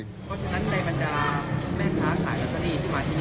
เพราะฉะนั้นในบรรดาแม่ค้าขายลอตเตอรี่ที่มาที่นี่